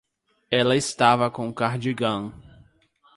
Ela estava com o cardigã.